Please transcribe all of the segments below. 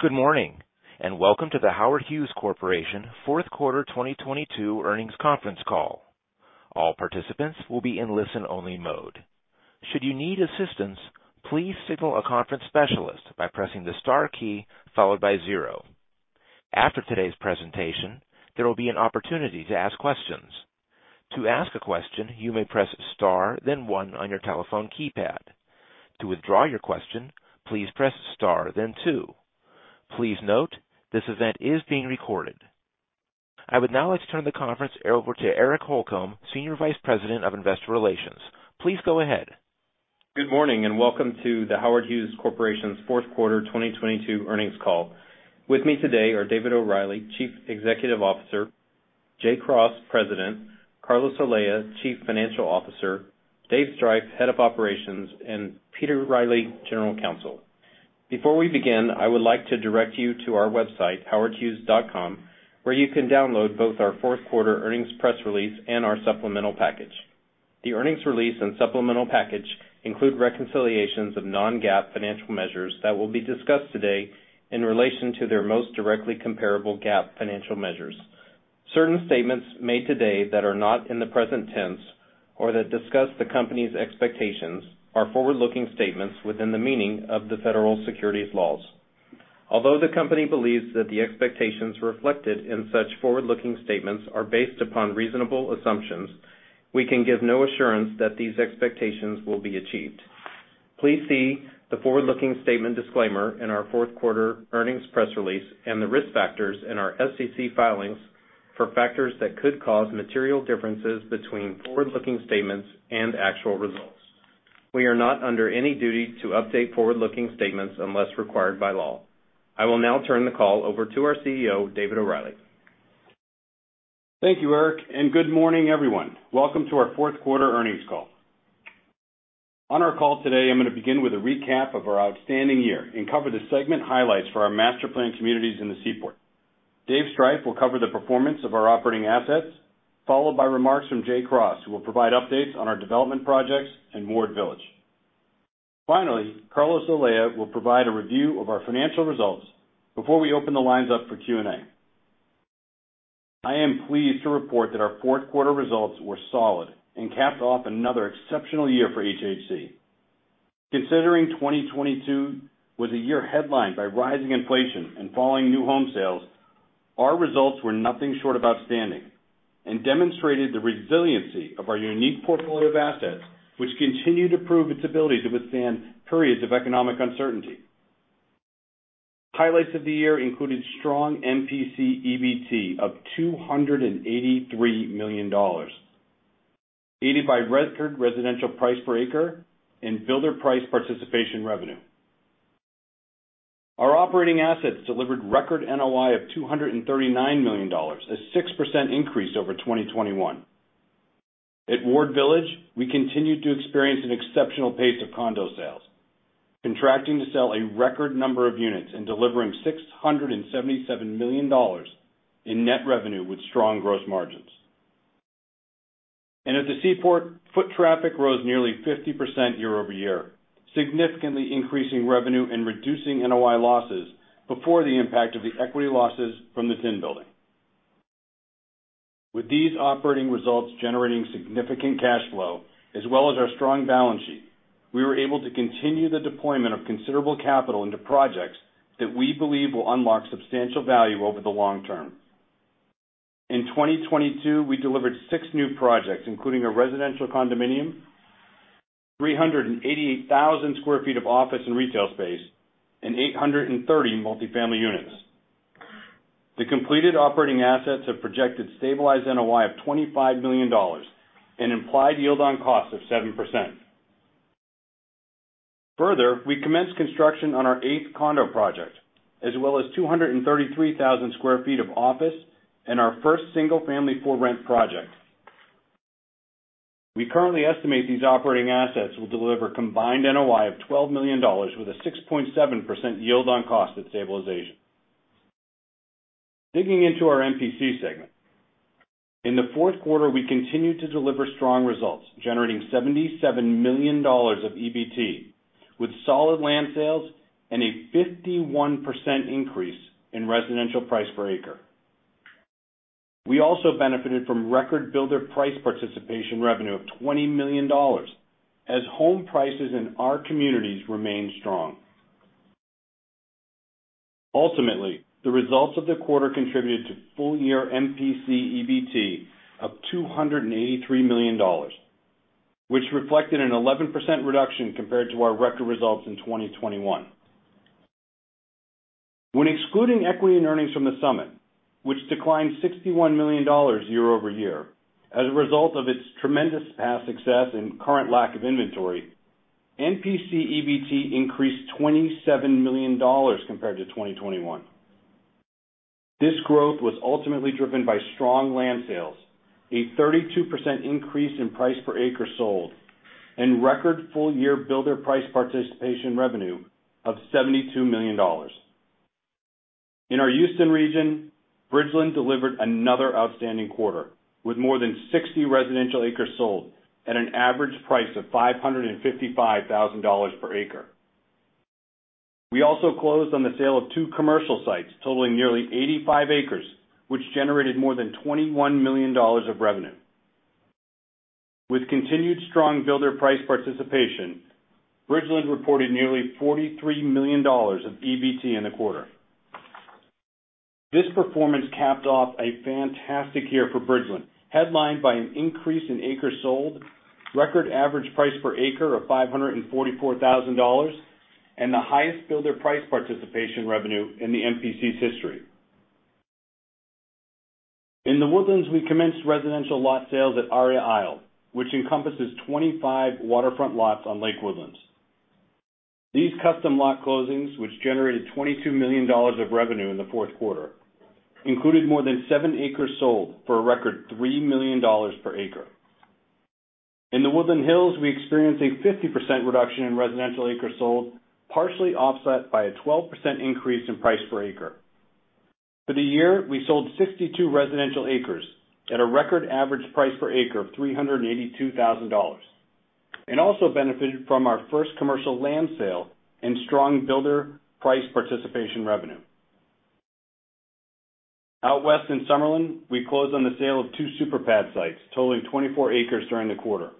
Good morning, and welcome to the Howard Hughes Corporation fourth quarter 2022 earnings conference call. All participants will be in listen-only mode. Should you need assistance, please signal a conference specialist by pressing the star key followed by zero. After today's presentation, there will be an opportunity to ask questions. To ask a question, you may press star then one on your telephone keypad. To withdraw your question, please press star then two. Please note, this event is being recorded. I would now like to turn the conference over to Eric Holcomb, Senior Vice President of Investor Relations. Please go ahead. Good morning. Welcome to the Howard Hughes Corporation's fourth quarter 2022 earnings call. With me today are David O'Reilly, Chief Executive Officer; Jay Cross, President; Carlos Olea, Chief Financial Officer; Dave Striph, Head of Operations; and Peter Riley, General Counsel. Before we begin, I would like to direct you to our website, howardhughes.com, where you can download both our fourth quarter earnings press release and our supplemental package. The earnings release and supplemental package include reconciliations of non-GAAP financial measures that will be discussed today in relation to their most directly comparable GAAP financial measures. Certain statements made today that are not in the present tense or that discuss the company's expectations are forward-looking statements within the meaning of the federal securities laws. Although the company believes that the expectations reflected in such forward-looking statements are based upon reasonable assumptions, we can give no assurance that these expectations will be achieved. Please see the forward-looking statement disclaimer in our fourth quarter earnings press release and the risk factors in our SEC filings for factors that could cause material differences between forward-looking statements and actual results. We are not under any duty to update forward-looking statements unless required by law. I will now turn the call over to our CEO, David O'Reilly. Thank you, Eric. Good morning, everyone. Welcome to our fourth quarter earnings call. On our call today, I'm gonna begin with a recap of our outstanding year and cover the segment highlights for our master planned communities in the Seaport. Dave Striph will cover the performance of our operating assets, followed by remarks from Jay Cross, who will provide updates on our development projects in Ward Village. Finally, Carlos Olea will provide a review of our financial results before we open the lines up for Q&A. I am pleased to report that our fourth quarter results were solid and capped off another exceptional year for HHC. Considering 2022 was a year headlined by rising inflation and falling new home sales, our results were nothing short of outstanding and demonstrated the resiliency of our unique portfolio of assets, which continue to prove its ability to withstand periods of economic uncertainty. Highlights of the year included strong MPC EBT of $283 million, aided by record residential price per acre and builder price participation revenue. Our operating assets delivered record NOI of $239 million, a 6% increase over 2021. At Ward Village, we continued to experience an exceptional pace of condo sales, contracting to sell a record number of units and delivering $677 million in net revenue with strong gross margins. At the Seaport, foot traffic rose nearly 50% year over year, significantly increasing revenue and reducing NOI losses before the impact of the equity losses from the Tin building. With these operating results generating significant cash flow as well as our strong balance sheet, we were able to continue the deployment of considerable capital into projects that we believe will unlock substantial value over the long term. In 2022, we delivered 6 new projects, including a residential condominium, 388,000 sq ft of office and retail space, and 830 multifamily units. The completed operating assets have projected stabilized NOI of $25 million and implied yield on cost of 7%. We commenced construction on our 8th condo project as well as 233,000 sq ft of office and our first single-family for-rent project. We currently estimate these operating assets will deliver combined NOI of $12 million with a 6.7% yield on cost at stabilization. Digging into our MPC segment. In the fourth quarter, we continued to deliver strong results, generating $77 million of EBT with solid land sales and a 51% increase in residential price per acre. We also benefited from record builder price participation revenue of $20 million as home prices in our communities remained strong. Ultimately, the results of the quarter contributed to full-year MPC EBT of $283 million, which reflected an 11% reduction compared to our record results in 2021. When excluding equity and earnings from the Summit, which declined $61 million year-over-year as a result of its tremendous past success and current lack of inventory, MPC EBT increased $27 million compared to 2021. This growth was ultimately driven by strong land sales, a 32% increase in price per acre sold, and record full-year builder price participation revenue of $72 million. In our Houston region, Bridgeland delivered another outstanding quarter, with more than 60 residential acres sold at an average price of $555,000 per acre. We also closed on the sale of 2 commercial sites totaling nearly 85 acres, which generated more than $21 million of revenue. With continued strong builder price participation, Bridgeland reported nearly $43 million of EBT in the quarter. This performance capped off a fantastic year for Bridgeland, headlined by an increase in acres sold, record average price per acre of $544,000, and the highest builder price participation revenue in the MPC's history. In The Woodlands, we commenced residential lot sales at Aria Isle, which encompasses 25 waterfront lots on Lake Woodlands. These custom lot closings, which generated $22 million of revenue in the fourth quarter, included more than 7 acres sold for a record $3 million per acre. In The Woodlands Hills, we experienced a 50% reduction in residential acres sold, partially offset by a 12% increase in price per acre. For the year, we sold 62 residential acres at a record average price per acre of $382,000. Also benefited from our first commercial land sale and strong builder price participation revenue. Out west in Summerlin, we closed on the sale of two super pad sites totaling 24 acres during the quarter.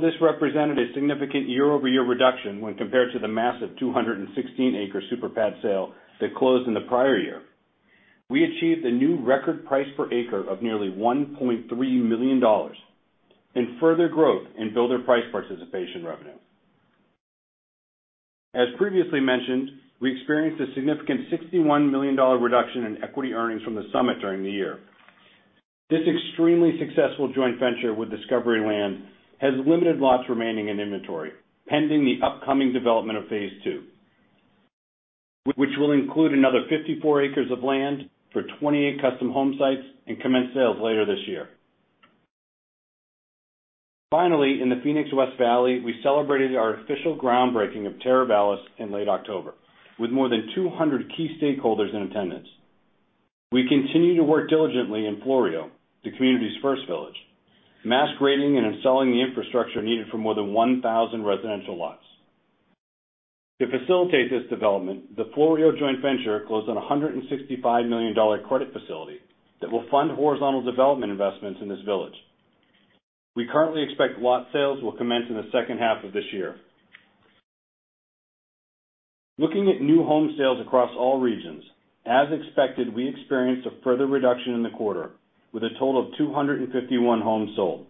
This represented a significant year-over-year reduction when compared to the massive 216 acre super pad sale that closed in the prior year, we achieved a new record price per acre of nearly $1.3 million and further growth in builder price participation revenue. As previously mentioned, we experienced a significant $61 million reduction in equity earnings from The Summit during the year. This extremely successful joint venture with Discovery Land has limited lots remaining in inventory, pending the upcoming development of phase 2, which will include another 54 acres of land for 28 custom home sites and commence sales later this year. In the Phoenix West Valley, we celebrated our official groundbreaking of Teravalis in late October, with more than 200 key stakeholders in attendance. We continue to work diligently in Florio, the community's first village, mass grading and installing the infrastructure needed for more than 1,000 residential lots. To facilitate this development, the Florio joint venture closed on a $165 million credit facility that will fund horizontal development investments in this village. We currently expect lot sales will commence in the second half of this year. Looking at new home sales across all regions, as expected, we experienced a further reduction in the quarter with a total of 251 homes sold.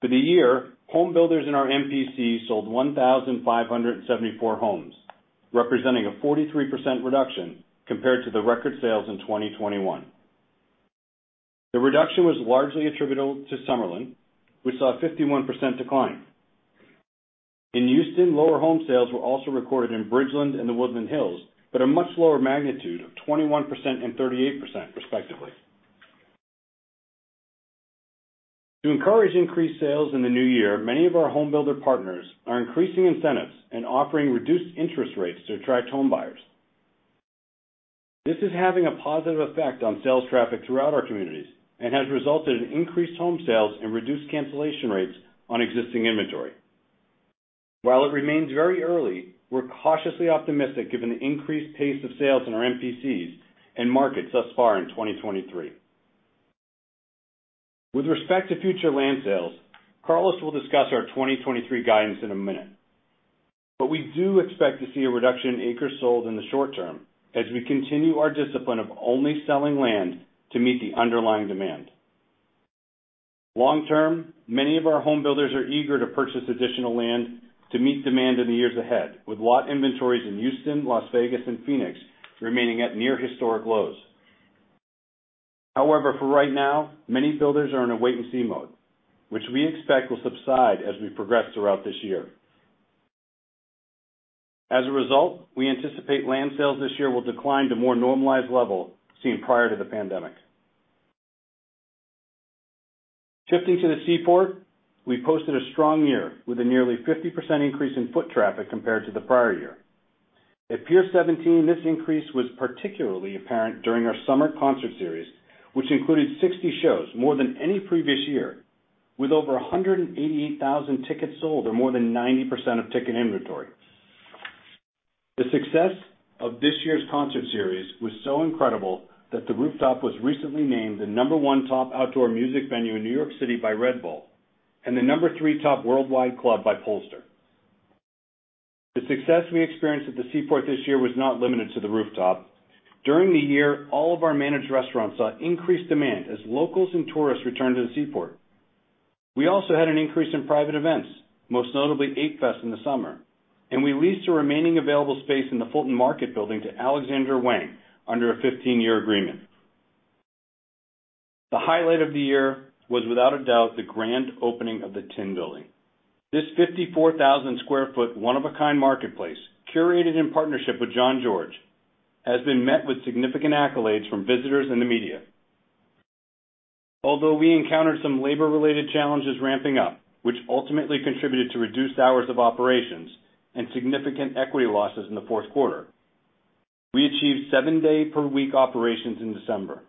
For the year, home builders in our MPC sold 1,574 homes, representing a 43% reduction compared to the record sales in 2021. The reduction was largely attributable to Summerlin, which saw a 51% decline. In Houston, lower home sales were also recorded in Bridgeland and The Woodlands Hills, but a much lower magnitude of 21% and 38% respectively. To encourage increased sales in the new year, many of our home builder partners are increasing incentives and offering reduced interest rates to attract home buyers. This is having a positive effect on sales traffic throughout our communities and has resulted in increased home sales and reduced cancellation rates on existing inventory. While it remains very early, we're cautiously optimistic given the increased pace of sales in our MPCs and markets thus far in 2023. With respect to future land sales, Carlos will discuss our 2023 guidance in a minute. We do expect to see a reduction in acres sold in the short term as we continue our discipline of only selling land to meet the underlying demand. Long term, many of our home builders are eager to purchase additional land to meet demand in the years ahead, with lot inventories in Houston, Las Vegas, and Phoenix remaining at near historic lows. For right now, many builders are in a wait and see mode, which we expect will subside as we progress throughout this year. We anticipate land sales this year will decline to more normalized level seen prior to the pandemic. Shifting to the Seaport, we posted a strong year with a nearly 50% increase in foot traffic compared to the prior year. At Pier Seventeen, this increase was particularly apparent during our summer concert series, which included 60 shows, more than any previous year, with over 188,000 tickets sold or more than 90% of ticket inventory. The success of this year's concert series was so incredible that the rooftop was recently named the number 1 top outdoor music venue in New York City by Red Bull and the number 3 top worldwide club by Pollstar. The success we experienced at the Seaport this year was not limited to the rooftop. During the year, all of our managed restaurants saw increased demand as locals and tourists returned to the Seaport. We also had an increase in private events, most notably Eight Fest in the summer. We leased a remaining available space in the Fulton Market Building to Alexander Wang under a 15-year agreement. The highlight of the year was without a doubt the grand opening of the Tin Building. This 54,000 sq ft, one-of-a-kind marketplace, curated in partnership with Jean-Georges, has been met with significant accolades from visitors in the media. Although we encountered some labor-related challenges ramping up, which ultimately contributed to reduced hours of operations and significant equity losses in the fourth quarter, we achieved 7-day per week operations in December.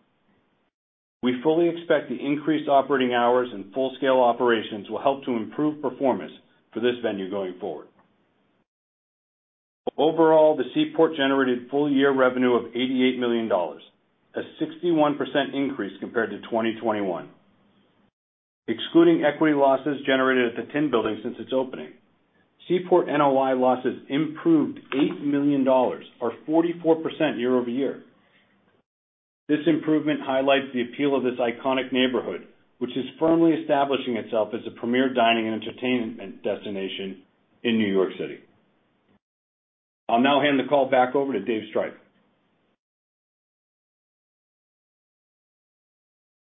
We fully expect the increased operating hours and full-scale operations will help to improve performance for this venue going forward. Overall, the Seaport generated full-year revenue of $88 million, a 61% increase compared to 2021. Excluding equity losses generated at the Tin Building since its opening, Seaport NOI losses improved $8 million or 44% year-over-year. This improvement highlights the appeal of this iconic neighborhood, which is firmly establishing itself as a premier dining and entertainment destination in New York City. I'll now hand the call back over to Dave Striph.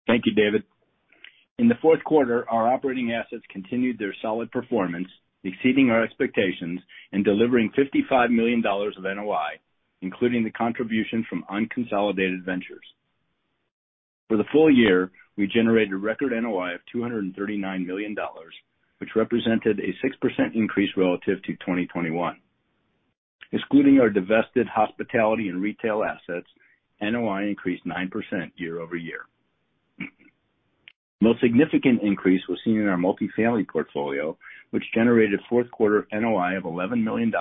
Thank you, David. In the fourth quarter, our operating assets continued their solid performance, exceeding our expectations and delivering $55 million of NOI, including the contribution from unconsolidated ventures. For the full year, we generated a record NOI of $239 million, which represented a 6% increase relative to 2021. Excluding our divested hospitality and retail assets, NOI increased 9% year-over-year. Most significant increase was seen in our multifamily portfolio, which generated fourth quarter NOI of $11 million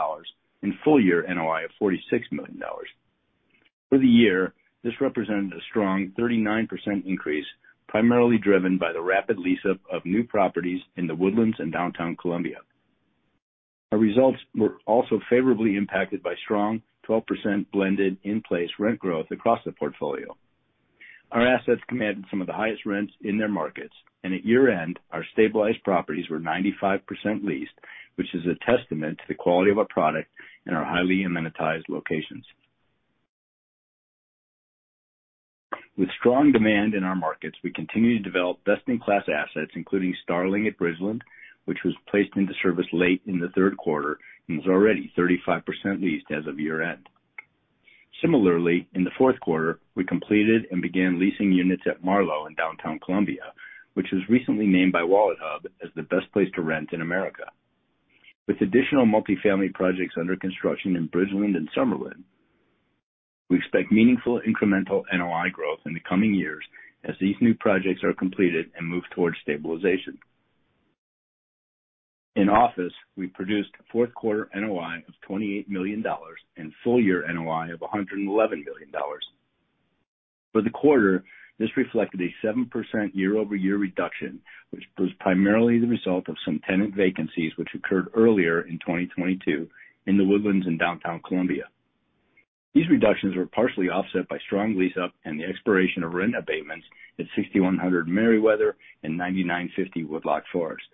and full year NOI of $46 million. For the year, this represented a strong 39% increase, primarily driven by the rapid lease-up of new properties in The Woodlands and Downtown Columbia. Our results were also favorably impacted by strong 12% blended in-place rent growth across the portfolio. Our assets commanded some of the highest rents in their markets. At year-end, our stabilized properties were 95% leased, which is a testament to the quality of our product and our highly amenitized locations. With strong demand in our markets, we continue to develop best-in-class assets, including Starling at Bridgeland, which was placed into service late in the third quarter and is already 35% leased as of year-end. Similarly, in the fourth quarter, we completed and began leasing units at Marlowe in Downtown Columbia, which was recently named by WalletHub as the best place to rent in America. With additional multifamily projects under construction in Bridgeland and Summerlin, we expect meaningful incremental NOI growth in the coming years as these new projects are completed and move towards stabilization. In office, we produced fourth quarter NOI of $28 million and full year NOI of $111 million. For the quarter, this reflected a 7% year-over-year reduction, which was primarily the result of some tenant vacancies which occurred earlier in 2022 in The Woodlands in Downtown Columbia. These reductions were partially offset by strong lease up and the expiration of rent abatements at 6100 Merriweather and 9950 Woodloch Forest.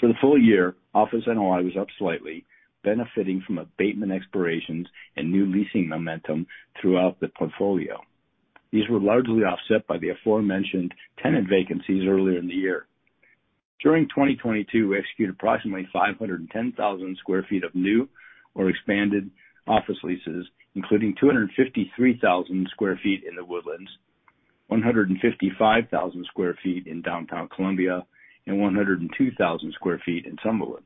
For the full year, office NOI was up slightly, benefiting from abatement expirations and new leasing momentum throughout the portfolio. These were largely offset by the aforementioned tenant vacancies earlier in the year. During 2022, we executed approximately 510,000 sq ft of new or expanded office leases, including 253,000 sq ft in The Woodlands, 155,000 sq ft in Downtown Columbia, and 102,000 sq ft in Summerlin.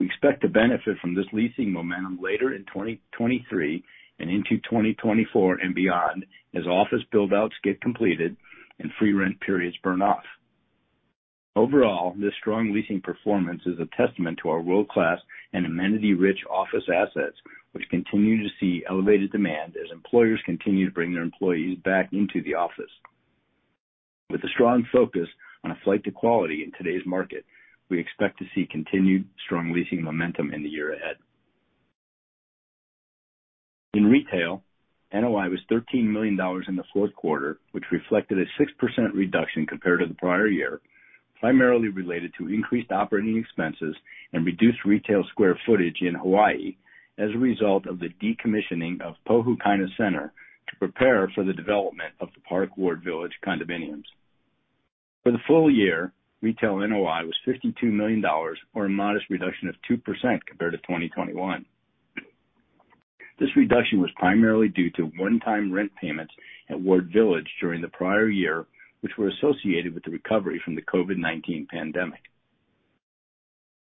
We expect to benefit from this leasing momentum later in 2023 and into 2024 and beyond as office build outs get completed and free rent periods burn off. Overall, this strong leasing performance is a testament to our world-class and amenity-rich office assets, which continue to see elevated demand as employers continue to bring their employees back into the office. With a strong focus on a flight to quality in today's market, we expect to see continued strong leasing momentum in the year ahead. In retail, NOI was $13 million in the fourth quarter, which reflected a 6% reduction compared to the prior year, primarily related to increased operating expenses and reduced retail square footage in Hawaii as a result of the decommissioning of Pohukaina Center to prepare for the development of The Park Ward Village condominiums. For the full year, retail NOI was $52 million, or a modest reduction of 2% compared to 2021. This reduction was primarily due to one-time rent payments at Ward Village during the prior year, which were associated with the recovery from the COVID-19 pandemic.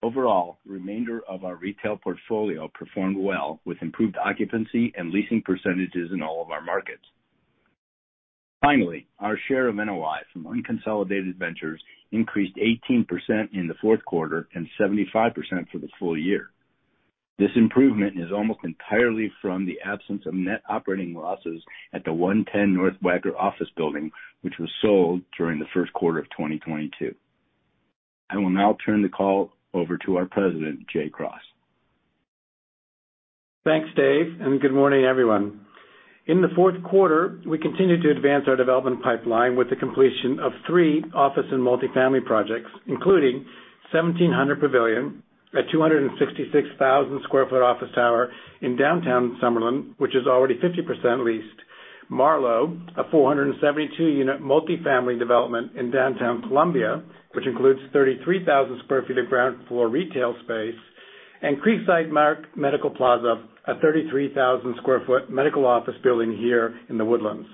Overall, the remainder of our retail portfolio performed well with improved occupancy and leasing percentages in all of our markets. Finally, our share of NOI from unconsolidated ventures increased 18% in the fourth quarter and 75% for the full year. This improvement is almost entirely from the absence of net operating losses at the 110 North Wacker office building, which was sold during the first quarter of 2022. I will now turn the call over to our President, Jay Cross. Thanks, Dave. Good morning, everyone. In the fourth quarter, we continued to advance our development pipeline with the completion of three office and multifamily projects, including 1700 Pavilion, a 266,000 sq ft office tower in Downtown Summerlin, which is already 50% leased. Marlowe, a 472 unit multifamily development in Downtown Columbia, which includes 33,000 sq ft of ground floor retail space. Creekside Park Medical Plaza, a 33,000 sq ft medical office building here in The Woodlands.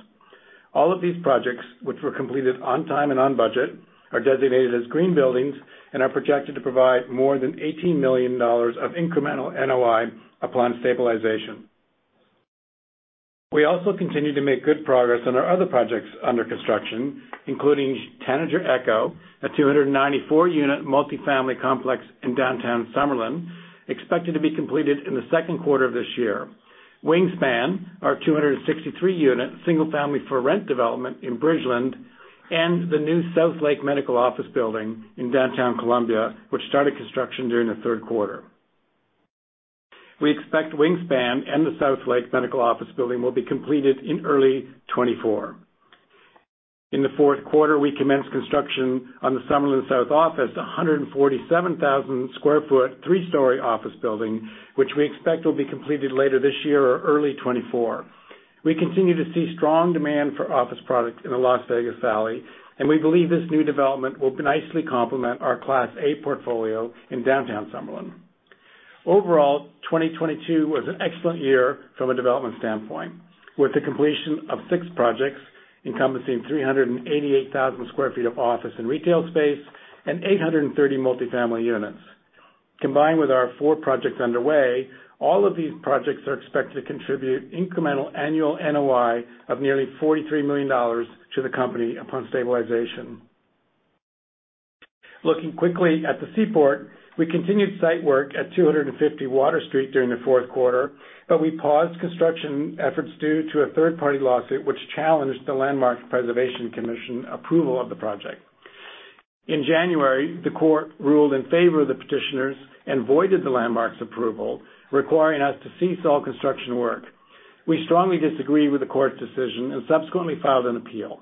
All of these projects, which were completed on time and on budget, are designated as green buildings and are projected to provide more than $18 million of incremental NOI upon stabilization. We also continue to make good progress on our other projects under construction, including Tanager Echo, a 294 unit multi-family complex in Downtown Summerlin, expected to be completed in the second quarter of this year. Wingspan, our 263 unit single-family for rent development in Bridgeland, and the new South Lake Medical Office Building in Downtown Columbia, which started construction during the third quarter. We expect Wingspan and the South Lake Medical Office Building will be completed in early 2024. In the fourth quarter, we commenced construction on the Summerlin South Office, a 147,000sq ft three-story office building, which we expect will be completed later this year or early 2024. We continue to see strong demand for office product in the Las Vegas Valley. We believe this new development will nicely complement our Class A portfolio in Downtown Summerlin. Overall, 2022 was an excellent year from a development standpoint, with the completion of 6 projects encompassing 388,000sq ft of office and retail space and 830 multifamily units. Combined with our 4 projects underway, all of these projects are expected to contribute incremental annual NOI of nearly $43 million to the company upon stabilization. Looking quickly at the Seaport, we continued site work at 250 Water Street during the fourth quarter. We paused construction efforts due to a third-party lawsuit which challenged the Landmarks Preservation Commission approval of the project. In January, the court ruled in favor of the petitioners and voided the Landmarks approval, requiring us to cease all construction work. We strongly disagree with the court's decision and subsequently filed an appeal.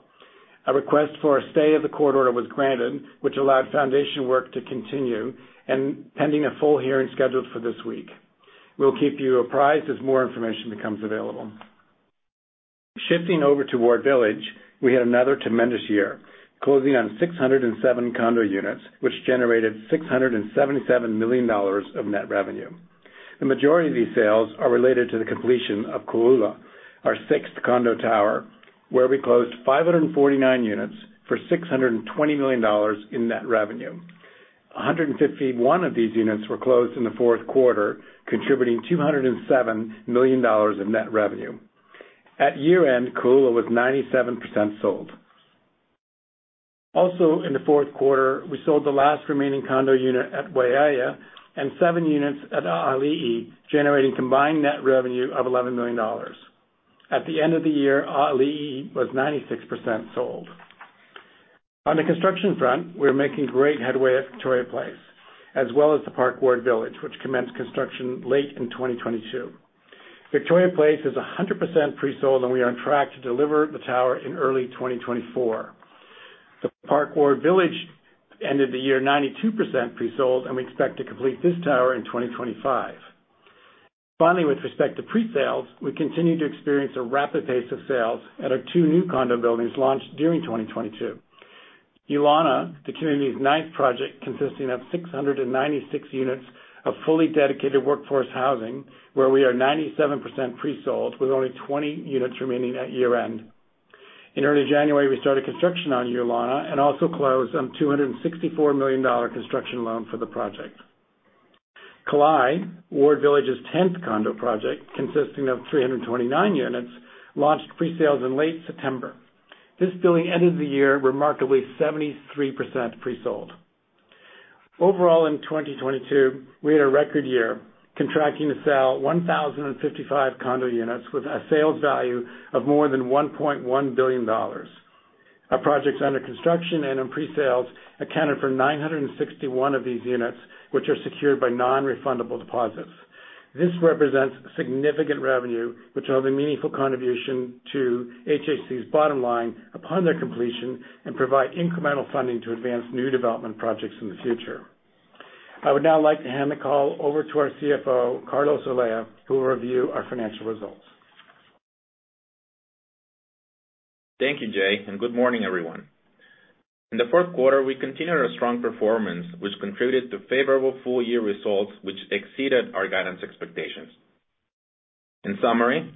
A request for a stay of the court order was granted, which allowed foundation work to continue and pending a full hearing scheduled for this week. We'll keep you apprised as more information becomes available. Shifting over to Ward Village, we had another tremendous year, closing on 607 condo units, which generated $677 million of net revenue. The majority of these sales are related to the completion of Kō'ula, our sixth condo tower, where we closed 549 units for $620 million in net revenue. 151 of these units were closed in the fourth quarter, contributing $207 million in net revenue. At year-end, Kō'ula was 97% sold. In the fourth quarter, we sold the last remaining condo unit at Waiea and 7 units at ʻAʻaliʻi generating combined net revenue of $11 million. At the end of the year, ʻAʻaliʻi was 96% sold. On the construction front, we're making great headway at Victoria Place, as well as The Park Ward Village, which commenced construction late in 2022. Victoria Place is 100% pre-sold, and we are on track to deliver the tower in early 2024. The Park Ward Village ended the year 92% pre-sold. We expect to complete this tower in 2025. Finally, with respect to pre-sales, we continue to experience a rapid pace of sales at our two new condo buildings launched during 2022. Ulana, the community's ninth project, consisting of 696 units of fully dedicated workforce housing, where we are 97% pre-sold with only 20 units remaining at year-end. In early January, we started construction on Ulana and also closed on $264 million construction loan for the project. Kalae, Ward Village's 10th condo project, consisting of 329 units, launched pre-sales in late September. This building ended the year remarkably 73% pre-sold. Overall, in 2022, we had a record year contracting to sell 1,055 condo units with a sales value of more than $1.1 billion. Our projects under construction and in pre-sales accounted for 961 of these units, which are secured by non-refundable deposits. This represents significant revenue which will have a meaningful contribution to HHC's bottom line upon their completion and provide incremental funding to advance new development projects in the future. I would now like to hand the call over to our CFO, Carlos Olea, who will review our financial results. Thank you, Jay. Good morning, everyone. In the fourth quarter, we continued our strong performance, which contributed to favorable full-year results, which exceeded our guidance expectations. In summary,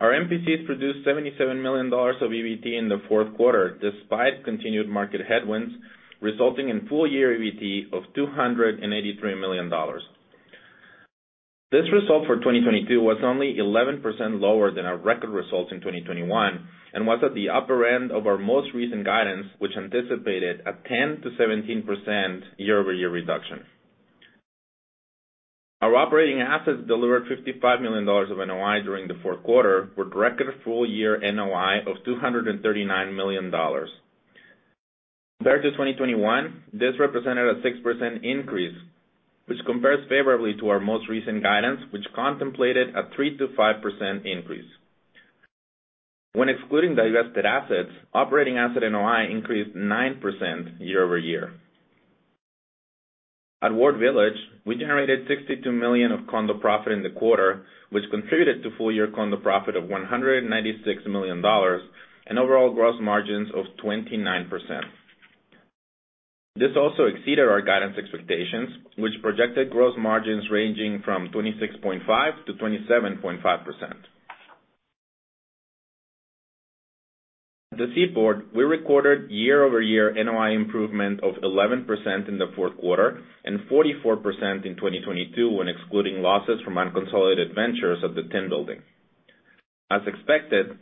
our MPCs produced $77 million of EBT in the fourth quarter, despite continued market headwinds, resulting in full-year EBT of $283 million. This result for 2022 was only 11% lower than our record results in 2021 and was at the upper end of our most recent guidance, which anticipated a 10%-17% year-over-year reduction. Our operating assets delivered $55 million of NOI during the fourth quarter for a record full-year NOI of $239 million. Compared to 2021, this represented a 6% increase, which compares favorably to our most recent guidance, which contemplated a 3%-5% increase. When excluding divested assets, operating asset NOI increased 9% year-over-year. At Ward Village, we generated $62 million of condo profit in the quarter, which contributed to full-year condo profit of $196 million and overall gross margins of 29%. This also exceeded our guidance expectations, which projected gross margins ranging from 26.5%-27.5%. At the Seaport, we recorded year-over-year NOI improvement of 11% in the fourth quarter and 44% in 2022, when excluding losses from unconsolidated ventures of the Tin building. As expected,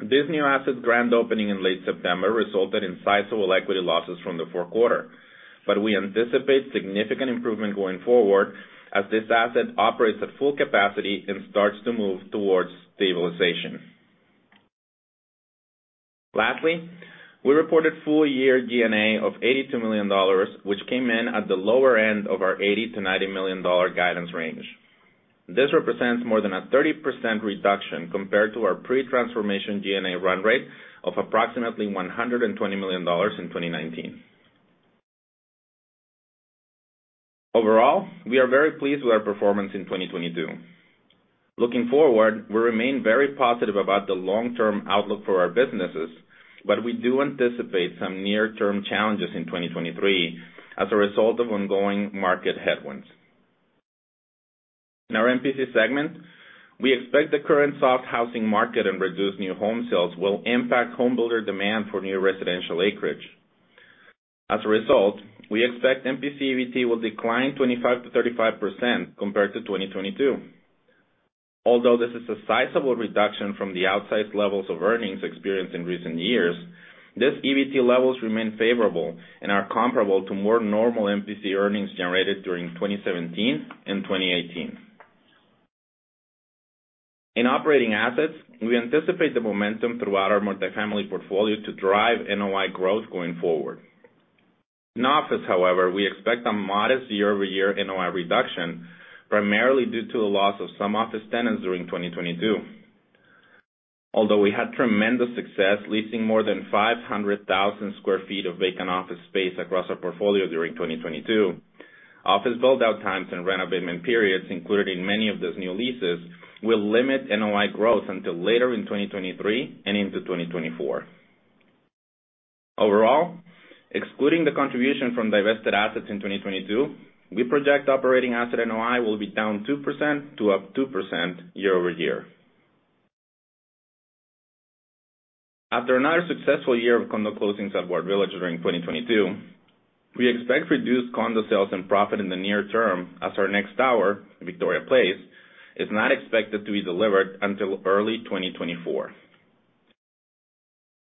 this new asset grand opening in late September resulted in sizable equity losses from the fourth quarter. We anticipate significant improvement going forward as this asset operates at full capacity and starts to move towards stabilization. Lastly, we reported full year G&A of $82 million, which came in at the lower end of our $80 million-$90 million guidance range. This represents more than a 30% reduction compared to our pre-transformation G&A run rate of approximately $120 million in 2019. Overall, we are very pleased with our performance in 2022. Looking forward, we remain very positive about the long-term outlook for our businesses, but we do anticipate some near term challenges in 2023 as a result of ongoing market headwinds. In our MPC segment, we expect the current soft housing market and reduced new home sales will impact home builder demand for new residential acreage. As a result, we expect MPC EBT will decline 25%-35% compared to 2022. This is a sizable reduction from the outsized levels of earnings experienced in recent years, these EBT levels remain favorable and are comparable to more normal MPC earnings generated during 2017 and 2018. In operating assets, we anticipate the momentum throughout our multifamily portfolio to drive NOI growth going forward. In office, however, we expect a modest year-over-year NOI reduction, primarily due to the loss of some office tenants during 2022. We had tremendous success leasing more than 500,000 sq ft of vacant office space across our portfolio during 2022, office build-out times and renovation periods included in many of those new leases, will limit NOI growth until later in 2023 and into 2024. Overall, excluding the contribution from divested assets in 2022, we project operating asset NOI will be down 2% to up 2% year-over-year. After another successful year of condo closings at Ward Village during 2022, we expect reduced condo sales and profit in the near term as our next tower, Victoria Place, is not expected to be delivered until early 2024.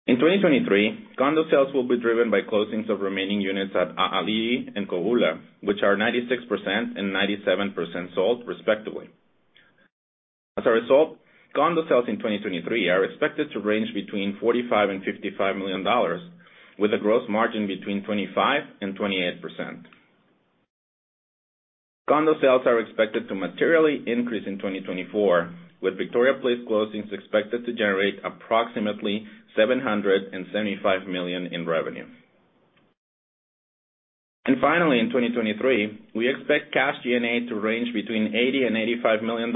In 2023, condo sales will be driven by closings of remaining units at ali'i and Kō'ula, which are 96% and 97% sold, respectively. As a result, condo sales in 2023 are expected to range between $45 million-$55 million with a gross margin between 25%-28%. Condo sales are expected to materially increase in 2024, with Victoria Place closings expected to generate approximately $775 million in revenue. Finally, in 2023, we expect cash G&A to range between $80 million-$85 million,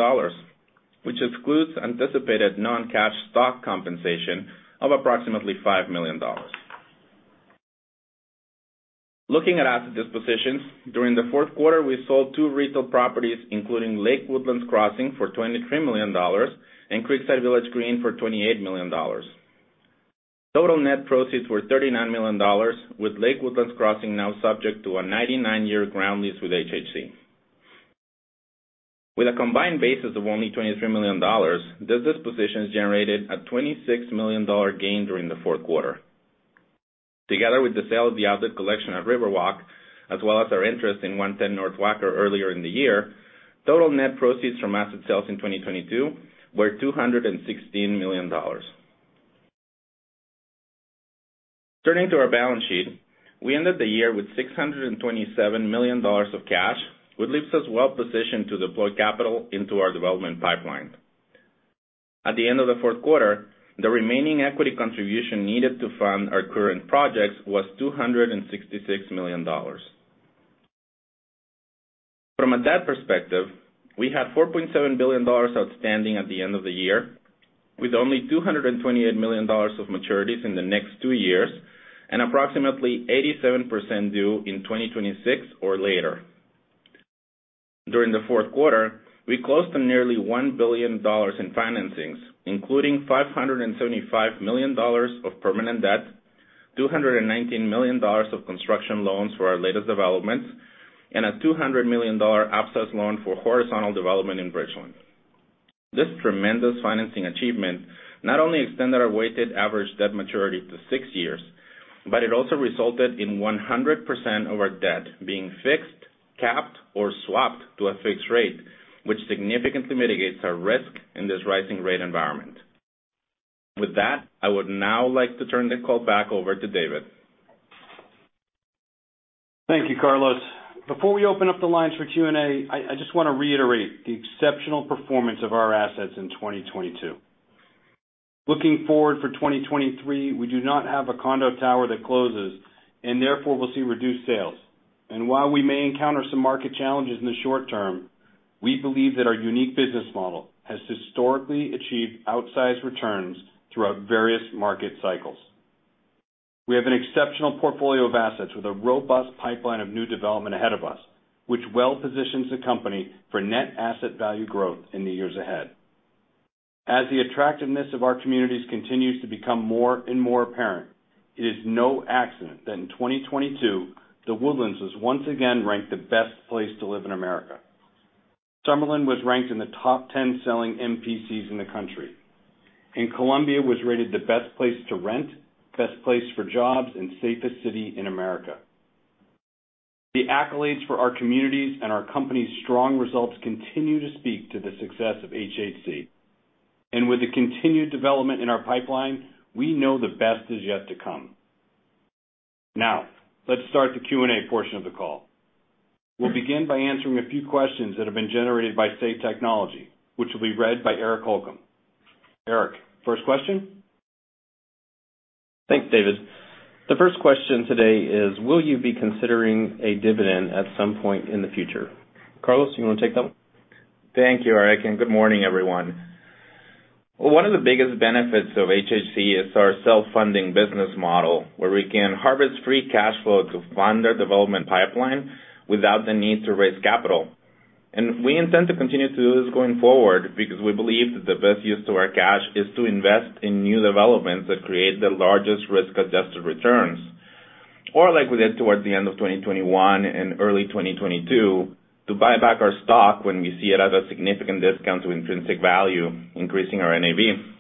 which excludes anticipated non-cash stock compensation of approximately $5 million. Looking at asset dispositions, during the fourth quarter, we sold two retail properties, including Lake Woodlands Crossing for $23 million and Creekside Village Green for $28 million. Total net proceeds were $39 million, with Lake Woodlands Crossing now subject to a 99-year ground lease with HHC. With a combined basis of only $23 million, these dispositions generated a $26 million gain during the fourth quarter. Together with the sale of the outlet collection at Riverwalk, as well as our interest in 110 North Wacker earlier in the year, total net proceeds from asset sales in 2022 were $216 million. Turning to our balance sheet, we ended the year with $627 million of cash, which leaves us well positioned to deploy capital into our development pipeline. At the end of the fourth quarter, the remaining equity contribution needed to fund our current projects was $266 million. From a debt perspective, we had $4.7 billion outstanding at the end of the year, with only $228 million of maturities in the next 2 years, and approximately 87% due in 2026 or later. During the fourth quarter, we closed on nearly $1 billion in financings, including $575 million of permanent debt, $219 million of construction loans for our latest developments, and a $200 million ABS loan for horizontal development in Bridgeland. This tremendous financing achievement not only extended our weighted average debt maturity to six years, but it also resulted in 100% of our debt being fixed, capped, or swapped to a fixed rate, which significantly mitigates our risk in this rising rate environment. With that, I would now like to turn the call back over to David. Thank you, Carlos. Before we open up the lines for Q&A, I just want to reiterate the exceptional performance of our assets in 2022. Looking forward for 2023, we do not have a condo tower that closes and therefore will see reduced sales. While we may encounter some market challenges in the short term, we believe that our unique business model has historically achieved outsized returns throughout various market cycles. We have an exceptional portfolio of assets with a robust pipeline of new development ahead of us, which well positions the company for net asset value growth in the years ahead. As the attractiveness of our communities continues to become more and more apparent, it is no accident that in 2022, The Woodlands was once again ranked the best place to live in America. Summerlin was ranked in the top 10 selling MPCs in the country. Columbia was rated the best place to rent, best place for jobs, and safest city in America. The accolades for our communities and our company's strong results continue to speak to the success of HHC. With the continued development in our pipeline, we know the best is yet to come. Now, let's start the Q&A portion of the call. We'll begin by answering a few questions that have been generated by Say Technologies, which will be read by Eric Holcomb. Eric, first question. Thanks, David. The first question today is: Will you be considering a dividend at some point in the future? Carlos, you wanna take that one? Thank you, Eric, and good morning, everyone. One of the biggest benefits of HHC is our self-funding business model, where we can harvest free cash flow to fund our development pipeline without the need to raise capital. We intend to continue to do this going forward because we believe that the best use to our cash is to invest in new developments that create the largest risk-adjusted returns, or like we did towards the end of 2021 and early 2022, to buy back our stock when we see it at a significant discount to intrinsic value, increasing our NAV.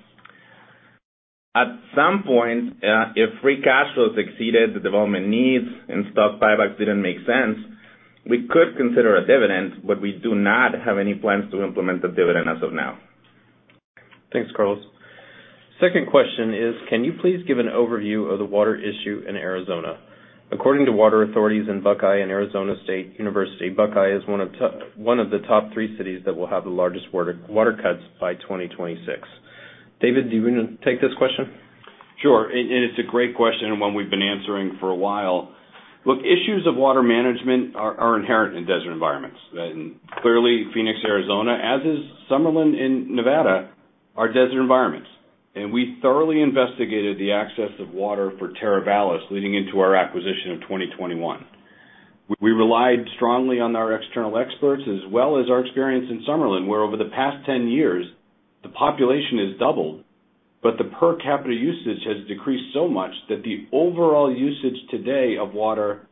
At some point, if free cash flow has exceeded the development needs and stock buyback didn't make sense, we could consider a dividend. We do not have any plans to implement the dividend as of now. Thanks, Carlos. Second question is: Can you please give an overview of the water issue in Arizona? According to water authorities in Buckeye and Arizona State University, Buckeye is one of the top 3 cities that will have the largest water cuts by 2026. David, do you wanna take this question? Sure. It's a great question and one we've been answering for a while. Look, issues of water management are inherent in desert environments. Clearly, Phoenix, Arizona, as is Summerlin in Nevada, are desert environments. We thoroughly investigated the access of water for Teravalis leading into our acquisition of 2021. We relied strongly on our external experts as well as our experience in Summerlin, where over the past 10 years, the population has doubled, but the per capita usage has decreased so much that the overall usage today of water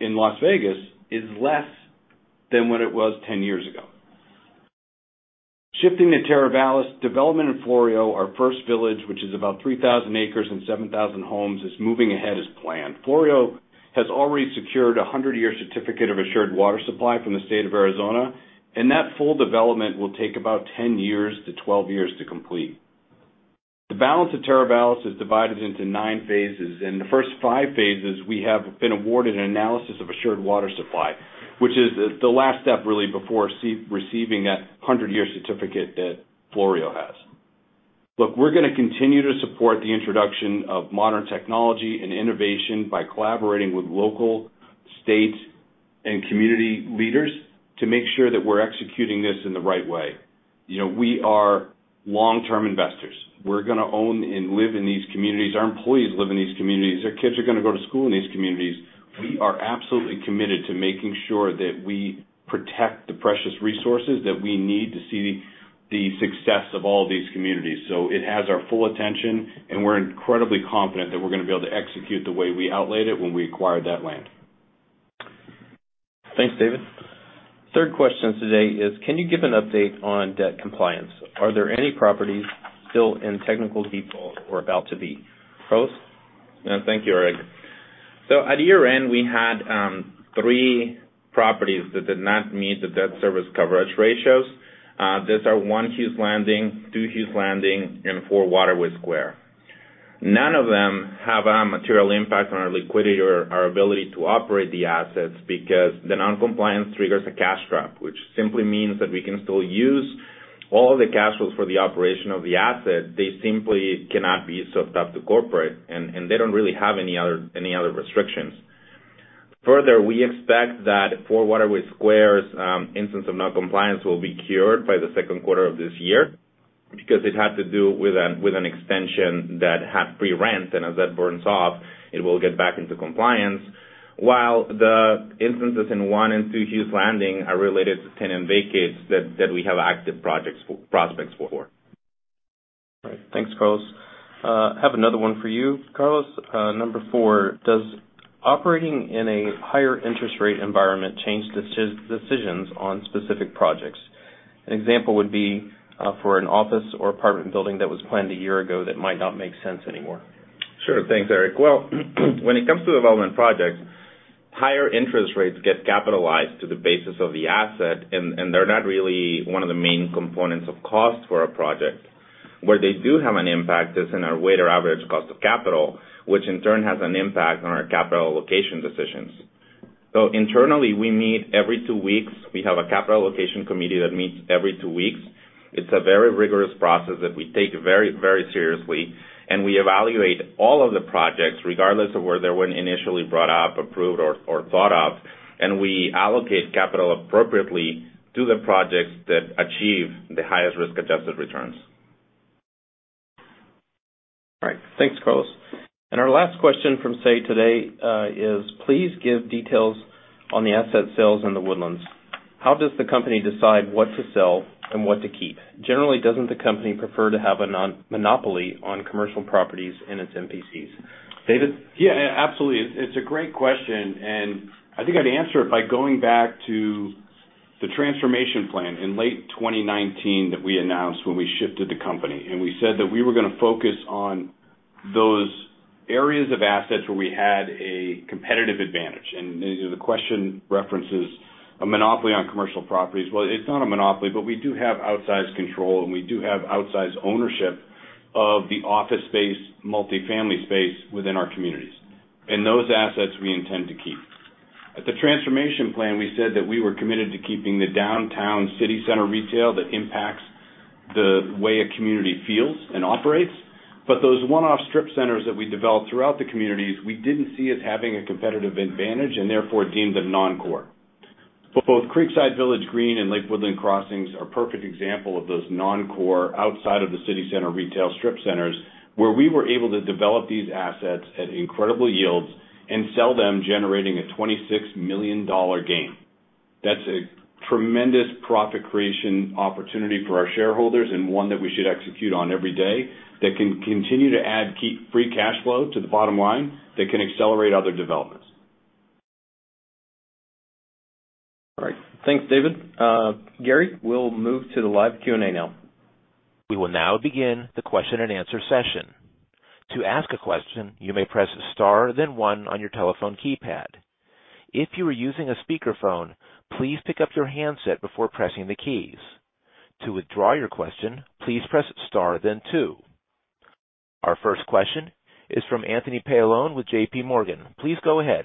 in Las Vegas is less than what it was 10 years ago. Shifting to Teravalis, development in Florio, our first village, which is about 3,000 acres and 7,000 homes, is moving ahead as planned. Florio has already secured a 100-year certificate of assured water supply from the State of Arizona, that full development will take about 10 years to 12 years to complete. The balance of Teravalis is divided into 9 phases. In the first 5 phases, we have been awarded an analysis of assured water supply, which is the last step really before receiving that 100-year certificate that Florio has. We're gonna continue to support the introduction of modern technology and innovation by collaborating with local, state, and community leaders to make sure that we're executing this in the right way. You know, we are long-term investors. We're gonna own and live in these communities. Our employees live in these communities. Their kids are gonna go to school in these communities. We are absolutely committed to making sure that we protect the precious resources that we need to see the success of all these communities. It has our full attention, and we're incredibly confident that we're gonna be able to execute the way we outlaid it when we acquired that land. Thanks, David. Third question today is: Can you give an update on debt compliance? Are there any properties still in technical default or about to be? Carlos? Thank you, Eric. At year-end, we had three properties that did not meet the debt service coverage ratios. Those are One Hughes Landing, Two Hughes Landing, and Four Waterway Square. None of them have a material impact on our liquidity or our ability to operate the assets because the non-compliance triggers a cash trap, which simply means that we can still use all the cash flows for the operation of the asset. They simply cannot be soaked up to corporate, and they don't really have any other restrictions. We expect that Four Waterway Square's instance of non-compliance will be cured by the second quarter of this year because it had to do with an extension that had free rent, and as that burns off, it will get back into compliance. While the instances in One and Two Hughes Landing are related to tenant vacates that we have active prospects for. All right. Thanks, Carlos. I have another one for you, Carlos. Number 4: Does operating in a higher interest rate environment change decisions on specific projects? An example would be, for an office or apartment building that was planned a year ago that might not make sense anymore. Sure. Thanks, Eric. When it comes to development projects, higher interest rates get capitalized to the basis of the asset, and they're not really one of the main components of cost for a project. Where they do have an impact is in our weighted average cost of capital, which in turn has an impact on our capital allocation decisions. Internally, we meet every two weeks. We have a capital allocation committee that meets every two weeks- It's a very rigorous process that we take very seriously, and we evaluate all of the projects regardless of where they were initially brought up, approved, or thought of, and we allocate capital appropriately to the projects that achieve the highest risk-adjusted returns. All right. Thanks, Carlos. Our last question from Say today is please give details on the asset sales in The Woodlands. How does the company decide what to sell and what to keep? Generally, doesn't the company prefer to have a non- monopoly on commercial properties in its MPCs? David? Absolutely. It's a great question, and I think I'd answer it by going back to the transformation plan in late 2019 that we announced when we shifted the company. We said that we were gonna focus on those areas of assets where we had a competitive advantage. The question references a monopoly on commercial properties. Well, it's not a monopoly, but we do have outsized control, and we do have outsized ownership of the office space, multi-family space within our communities. Those assets we intend to keep. At the transformation plan, we said that we were committed to keeping the downtown city center retail that impacts the way a community feels and operates. Those one-off strip centers that we developed throughout the communities, we didn't see as having a competitive advantage and therefore deemed them non-core. Both Creekside Village Green and Lake Woodland Crossings are a perfect example of those non-core outside of the city center retail strip centers, where we were able to develop these assets at incredible yields and sell them generating a $26 million gain. That's a tremendous profit creation opportunity for our shareholders and one that we should execute on every day that can continue to add key free cash flow to the bottom line that can accelerate other developments. All right. Thanks, David. Gary, we'll move to the live Q&A now. We will now begin the question and answer session. To ask a question, you may press star then one on your telephone keypad. If you are using a speakerphone, please pick up your handset before pressing the keys. To withdraw your question, please press star then two. Our first question is from Anthony Paolone with JP Morgan. Please go ahead.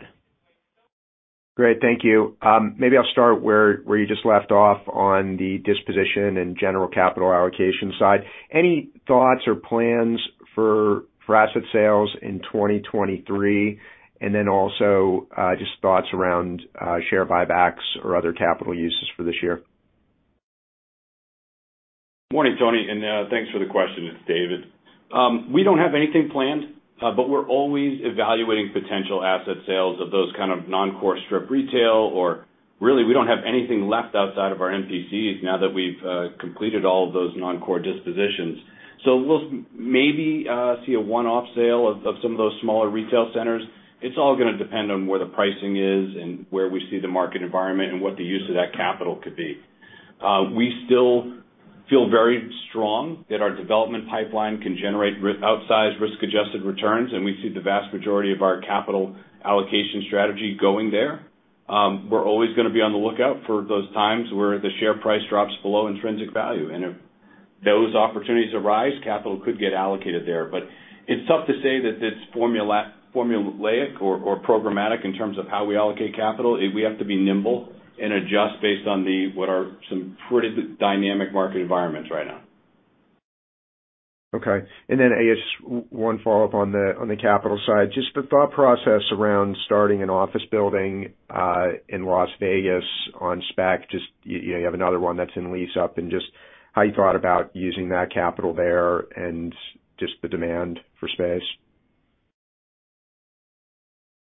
Great. Thank you. Maybe I'll start where you just left off on the disposition and general capital allocation side. Any thoughts or plans for asset sales in 2023? Also, just thoughts around share buybacks or other capital uses for this year. Morning, Tony, and thanks for the question. It's David. We don't have anything planned, we're always evaluating potential asset sales of those kind of non-core strip retail or really, we don't have anything left outside of our MPCs now that we've completed all of those non-core dispositions. We'll maybe see a one-off sale of some of those smaller retail centers. It's all gonna depend on where the pricing is and where we see the market environment and what the use of that capital could be. We still feel very strong that our development pipeline can generate outsized risk-adjusted returns, and we see the vast majority of our capital allocation strategy going there. We're always gonna be on the lookout for those times where the share price drops below intrinsic value. If those opportunities arise, capital could get allocated there. It's tough to say that it's formulaic or programmatic in terms of how we allocate capital. We have to be nimble and adjust based on what are some pretty dynamic market environments right now. Okay. Then just one follow-up on the capital side. Just the thought process around starting an office building in Las Vegas on spec. Just you have another one that's in lease up and just how you thought about using that capital there and just the demand for space?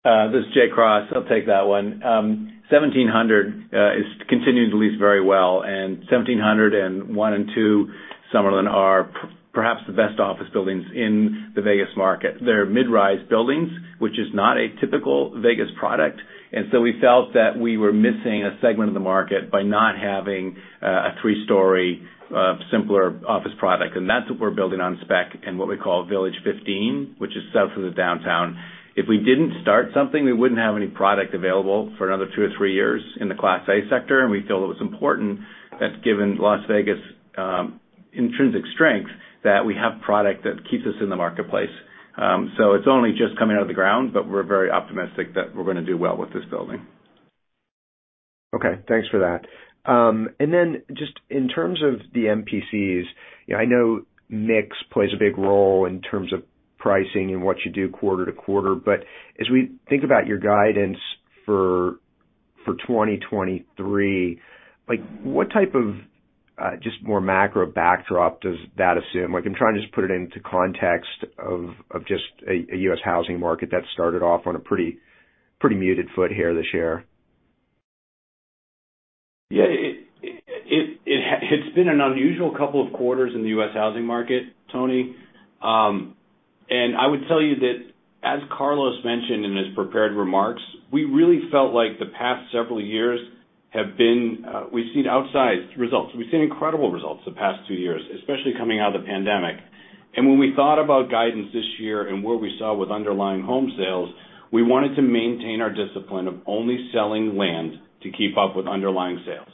This is Jay Cross. I'll take that one. 1700 is continuing to lease very well, and 1700 One and Two Summerlin are perhaps the best office buildings in the Vegas market. They're mid-rise buildings, which is not a typical Vegas product. We felt that we were missing a segment of the market by not having a Three-story simpler office product. That's what we're building on spec in what we call Village 15, which is south of the downtown. If we didn't start something, we wouldn't have any product available for another two or three years in the Class A sector, and we feel it was important that given Las Vegas intrinsic strength, that we have product that keeps us in the marketplace. It's only just coming out of the ground, but we're very optimistic that we're gonna do well with this building. Okay. Thanks for that. Just in terms of the MPCs, you know, I know mix plays a big role in terms of pricing and what you do quarter-to-quarter. As we think about your guidance for 2023, like, what type of just more macro backdrop does that assume? I'm trying to just put it into context of just a U.S. housing market that started off on a pretty muted foot here this year. Yeah. It's been an unusual couple of quarters in the U.S. housing market, Tony. I would tell you that as Carlos mentioned in his prepared remarks, we really felt like the past several years have been, we've seen outsized results. We've seen incredible results the past two years, especially coming out of the pandemic. When we thought about guidance this year and what we saw with underlying home sales, we wanted to maintain our discipline of only selling land to keep up with underlying sales.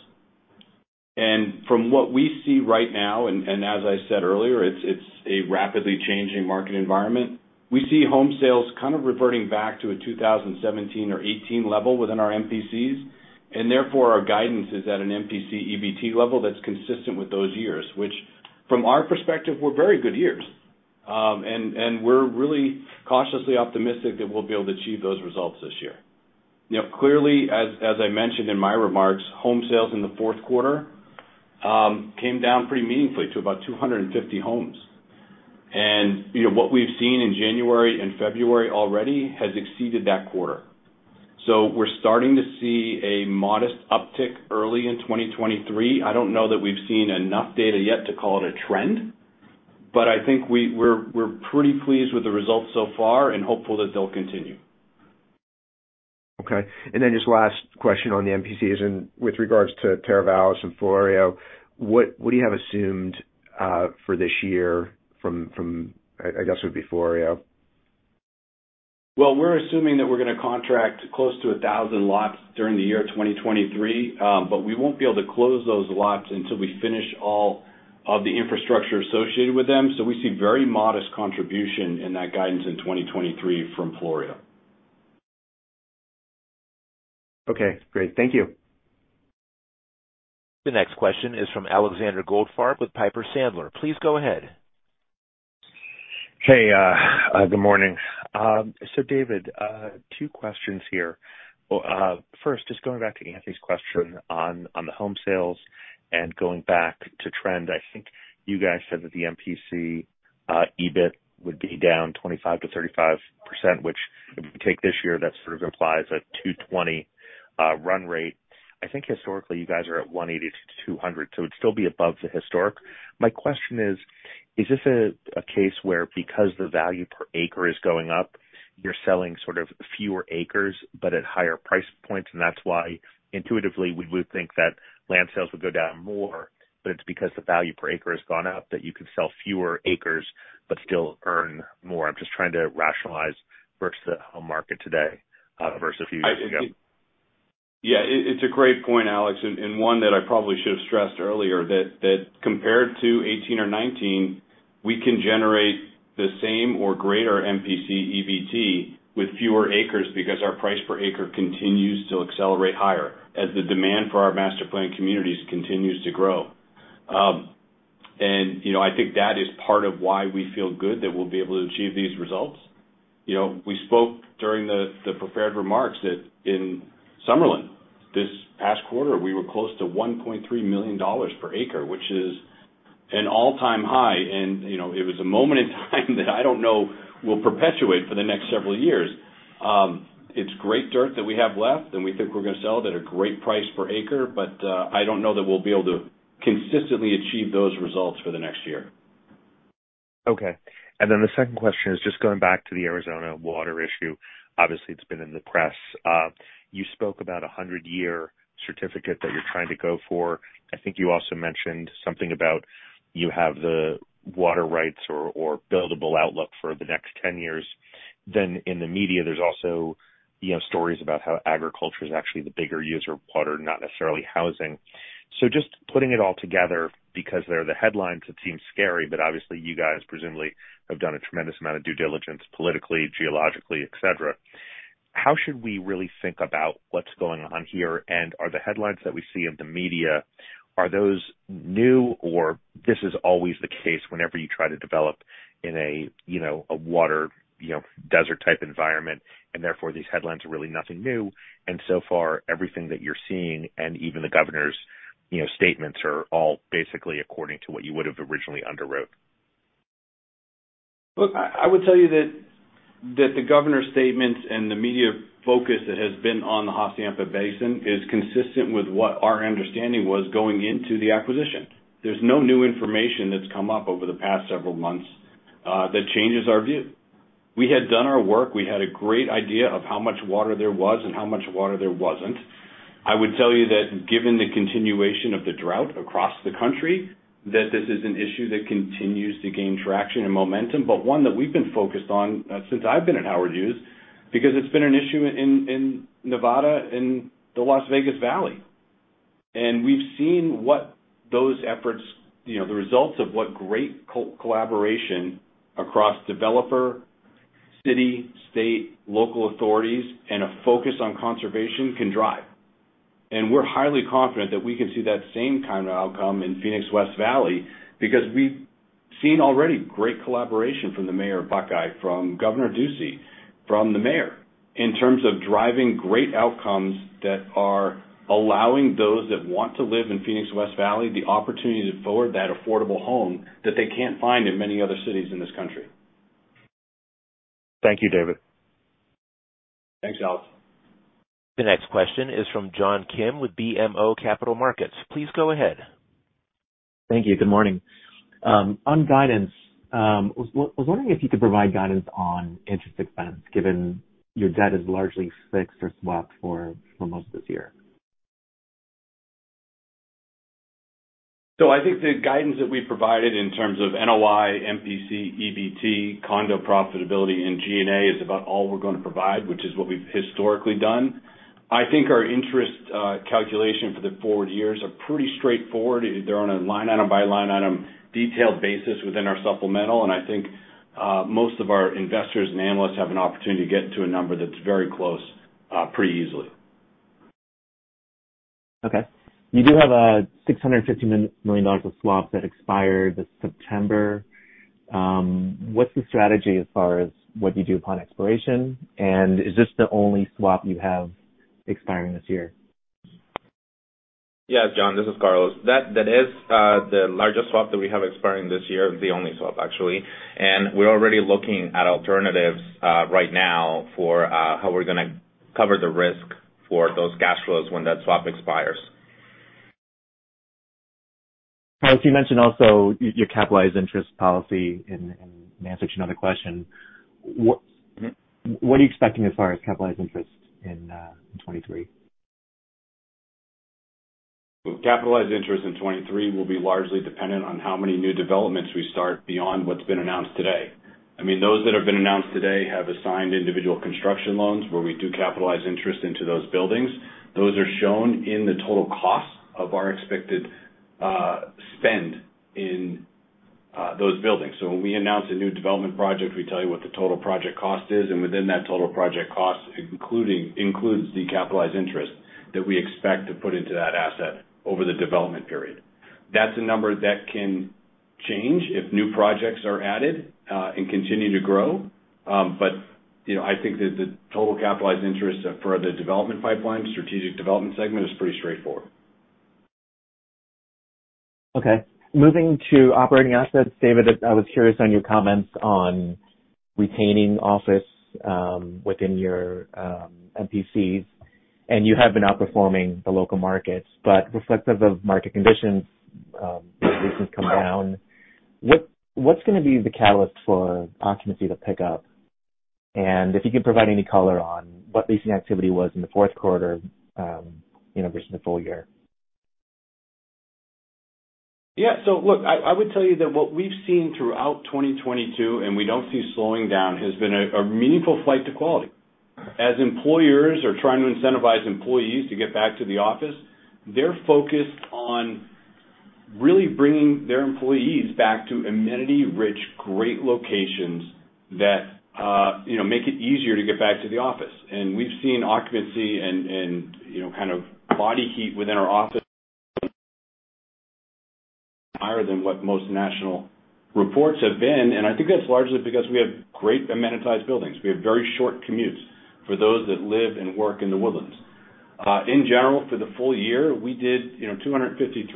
From what we see right now, as I said earlier, it's a rapidly changing market environment. We see home sales kind of reverting back to a 2017 or 2018 level within our MPCs, and therefore, our guidance is at an MPC EBT level that's consistent with those years, which from our perspective, were very good years. We're really cautiously optimistic that we'll be able to achieve those results this year. You know, clearly, as I mentioned in my remarks, home sales in the fourth quarter came down pretty meaningfully to about 250 homes. You know, what we've seen in January and February already has exceeded that quarter. We're starting to see a modest uptick early in 2023. I don't know that we've seen enough data yet to call it a trend, but I think we're pretty pleased with the results so far and hopeful that they'll continue. Okay. Then just last question on the MPC is in with regards to Teravalis and Florio. What do you have assumed for this year from, I guess it would be Florio? We're assuming that we're gonna contract close to 1,000 lots during the year 2023, but we won't be able to close those lots until we finish all of the infrastructure associated with them. We see very modest contribution in that guidance in 2023 from Florio. Okay, great. Thank you. The next question is from Alexander Goldfarb with Piper Sandler. Please go ahead. Good morning. David, two questions here. First, just going back to Anthony's question on the home sales and going back to trend. I think you guys said that the MPC EBIT would be down 25%-35%, which if you take this year, that sort of implies a $220 million run rate. I think historically you guys are at $180 million-$200 million, it'd still be above the historic. My question is this a case where because the value per acre is going up, you're selling sort of fewer acres but at higher price points, and that's why intuitively, we would think that land sales would go down more, but it's because the value per acre has gone up that you could sell fewer acres but still earn more. I'm just trying to rationalize versus the home market today, versus a few years ago. Yeah. It's a great point, Alex, and one that I probably should have stressed earlier that compared to 18 or 19, we can generate the same or greater MPC EBT with fewer acres because our price per acre continues to accelerate higher as the demand for our master planned communities continues to grow. You know, I think that is part of why we feel good that we'll be able to achieve these results. You know, we spoke during the prepared remarks that in Summerlin this past quarter, we were close to $1.3 million per acre, which is an all-time high. You know, it was a moment in time that I don't know will perpetuate for the next several years. It's great dirt that we have left, and we think we're gonna sell it at a great price per acre, but I don't know that we'll be able to consistently achieve those results for the next year. Okay. The second question is just going back to the Arizona water issue. Obviously, it's been in the press. You spoke about a 100-year certificate that you're trying to go for. I think you also mentioned something about you have the water rights or buildable outlook for the next 10 years. In the media, there's also, you know, stories about how agriculture is actually the bigger user of water, not necessarily housing. Just putting it all together because there, the headlines, it seems scary, but obviously you guys presumably have done a tremendous amount of due diligence politically, geologically, et cetera. How should we really think about what's going on here? Are the headlines that we see in the media, are those new or this is always the case whenever you try to develop in a, you know, a water, you know, desert type environment, and therefore, these headlines are really nothing new? So far, everything that you're seeing and even the governor's, you know, statements are all basically according to what you would have originally underwrote. Look, I would tell you that the Governor's statements and the media focus that has been on the Hassayampa Basin is consistent with what our understanding was going into the acquisition. There's no new information that's come up over the past several months that changes our view. We had done our work. We had a great idea of how much water there was and how much water there wasn't. I would tell you that given the continuation of the drought across the country, that this is an issue that continues to gain traction and momentum, but one that we've been focused on since I've been at Howard Hughes, because it's been an issue in Nevada, in the Las Vegas Valley. We've seen what those efforts, you know, the results of what great collaboration across developer, city, state, local authorities, and a focus on conservation can drive. We're highly confident that we can see that same kind of outcome in Phoenix West Valley because we've seen already great collaboration from the mayor of Buckeye, from Doug Ducey, from the mayor in terms of driving great outcomes that are allowing those that want to live in Phoenix West Valley the opportunity to afford that affordable home that they can't find in many other cities in this country. Thank you, David. Thanks, Alex. The next question is from John Kim with BMO Capital Markets. Please go ahead. Thank you. Good morning. On guidance, I was wondering if you could provide guidance on interest expense, given your debt is largely fixed or swapped for most of this year. I think the guidance that we provided in terms of NOI, MPC, EBT, condo profitability in G&A is about all we're gonna provide, which is what we've historically done. I think our interest calculation for the forward years are pretty straightforward. They're on a line item by line item detailed basis within our supplemental. I think most of our investors and analysts have an opportunity to get to a number that's very close pretty easily. Okay. You do have, $650 million of swaps that expire this September. What's the strategy as far as what you do upon expiration? Is this the only swap you have expiring this year? Yes, John, this is Carlos. That is the largest swap that we have expiring this year, the only swap actually. We're already looking at alternatives right now for how we're gonna cover the risk for those cash flows when that swap expires. Carlos, you mentioned also your capitalized interest policy in an answer to another question. What are you expecting as far as capitalized interest in 2023? Well, capitalized interest in 23 will be largely dependent on how many new developments we start beyond what's been announced today. I mean, those that have been announced today have assigned individual construction loans where we do capitalize interest into those buildings. Those are shown in the total cost of our expected spend in those buildings. When we announce a new development project, we tell you what the total project cost is, and within that total project cost, includes the capitalized interest that we expect to put into that asset over the development period. That's a number that can change if new projects are added and continue to grow. You know, I think that the total capitalized interest for the development pipeline, strategic development segment is pretty straightforward. Okay. Moving to operating assets. David, I was curious on your comments on retaining office within your MPCs. You have been outperforming the local markets, but reflective of market conditions, recently come down. What's gonna be the catalyst for occupancy to pick up? If you could provide any color on what leasing activity was in the fourth quarter, you know, versus the full year. Look, I would tell you that what we've seen throughout 2022, and we don't see slowing down, has been a meaningful flight to quality. As employers are trying to incentivize employees to get back to the office, they're focused on really bringing their employees back to amenity-rich, great locations that, you know, make it easier to get back to the office. We've seen occupancy and, you know, kind of body heat within our office higher than what most national reports have been. I think that's largely because we have great amenitized buildings. We have very short commutes for those that live and work in The Woodlands. In general, for the full year, we did, you know, 253,000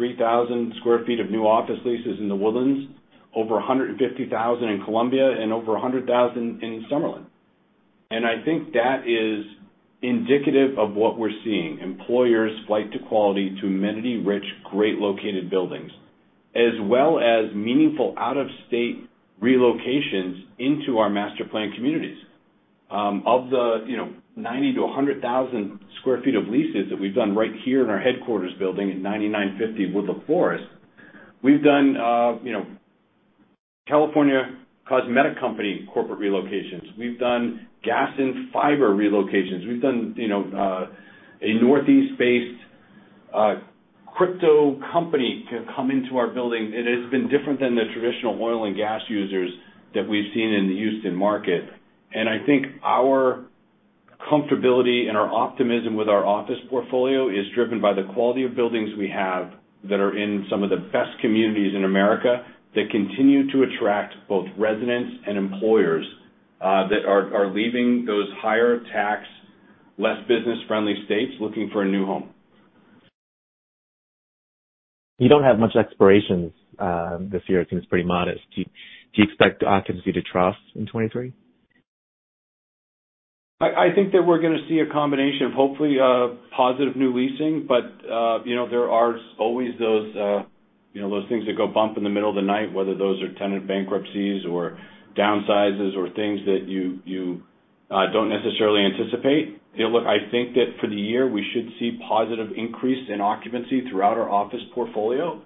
sq ft of new office leases in The Woodlands, over 150,000 in Columbia, and over 100,000 in Summerlin. I think that is indicative of what we're seeing, employers flight to quality to amenity-rich, great located buildings, as well as meaningful out-of-state relocations into our master planned communities. Of the, you know, 90,000-100,000 sq ft of leases that we've done right here in our headquarters building at 9950 Woodloch Forest, we've done, you know, California Cosmetic Company corporate relocations. We've done gas and fiber relocations. We've done, you know, a Northeast-based crypto company to come into our building. It's been different than the traditional oil and gas users that we've seen in the Houston market. I think our comfortability and our optimism with our office portfolio is driven by the quality of buildings we have that are in some of the best communities in America that continue to attract both residents and employers, that are leaving those higher tax, less business-friendly states looking for a new home. You don't have much expirations, this year. I think it's pretty modest. Do you, do you expect occupancy to trough in 23? I think that we're gonna see a combination of hopefully positive new leasing. You know, there are always those, you know, those things that go bump in the middle of the night, whether those are tenant bankruptcies or downsizes or things that you don't necessarily anticipate. You know, look, I think that for the year, we should see positive increase in occupancy throughout our office portfolio.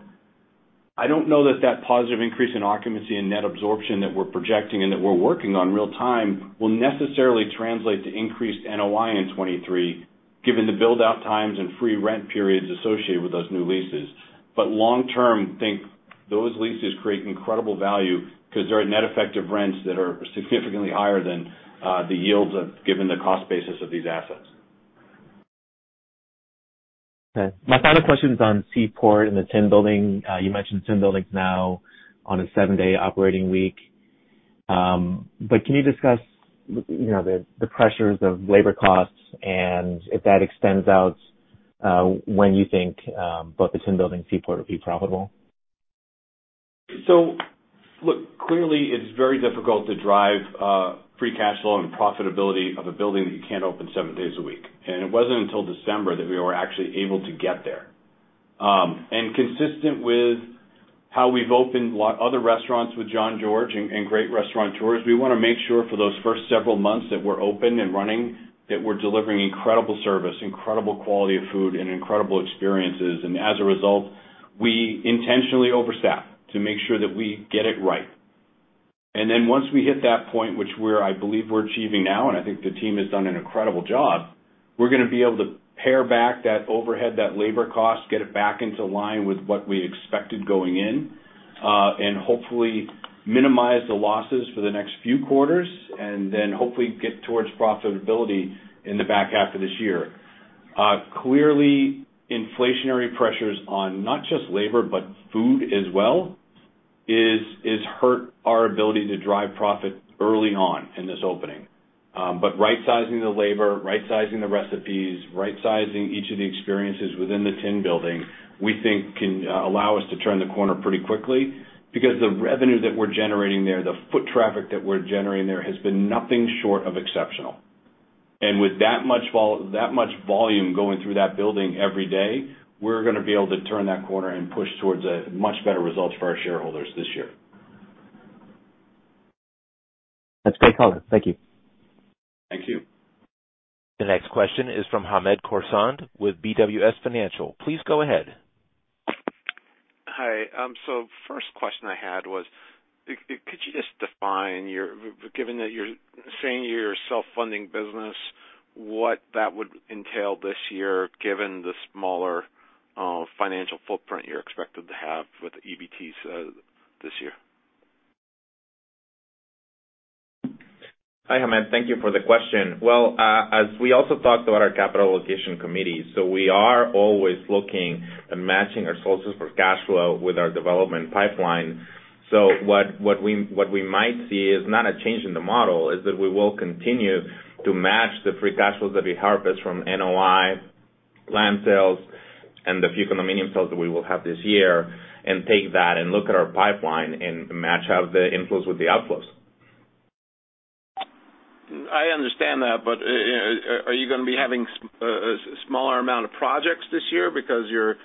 I don't know that that positive increase in occupancy and net absorption that we're projecting and that we're working on real-time will necessarily translate to increased NOI in 23, given the build-out times and free rent periods associated with those new leases. Long term, think those leases create incredible value because there are net effective rents that are significantly higher than the yields given the cost basis of these assets. Okay. My final question is on Seaport and the Tin Building. You mentioned Tin Building's now on a seven-day operating week. Can you discuss, you know, the pressures of labor costs and if that extends out, when you think both the Tin Building Seaport will be profitable? Look, clearly it's very difficult to drive free cash flow and profitability of a building that you can't open seven days a week. It wasn't until December that we were actually able to get there. Consistent with how we've opened lot other restaurants with Jean-Georges Vongerichten and great restaurateurs, we wanna make sure for those first several months that we're open and running, that we're delivering incredible service, incredible quality of food, and incredible experiences. As a result, we intentionally overstaff to make sure that we get it right. Once we hit that point, which I believe we're achieving now, and I think the team has done an incredible job, we're gonna be able to pare back that overhead, that labor cost, get it back into line with what we expected going in. Hopefully minimize the losses for the next few quarters, hopefully get towards profitability in the back half of this year. Clearly, inflationary pressures on not just labor, but food as well, is hurt our ability to drive profit early on in this opening. Rightsizing the labor, rightsizing the recipes, rightsizing each of the experiences within the Tin building, we think can allow us to turn the corner pretty quickly. The revenue that we're generating there, the foot traffic that we're generating there, has been nothing short of exceptional. With that much volume going through that building every day, we're gonna be able to turn that corner and push towards a much better result for our shareholders this year. That's great color. Thank you. Thank you. The next question is from Hamed Khorsand with BWS Financial. Please go ahead. Hi. First question I had was, could you just define your... Given that you're saying you're a self-funding business, what that would entail this year, given the smaller financial footprint you're expected to have with EBTs this year? Hi, Hamed. Thank you for the question. Well, as we also talked about our capital allocation committee, we are always looking and matching our sources for cash flow with our development pipeline. What we might see is not a change in the model, is that we will continue to match the free cash flows that we harvest from NOI land sales and the few condominium sales that we will have this year, and take that and look at our pipeline and match how the inflows with the outflows. I understand that. Are you gonna be having a smaller amount of projects this year because you're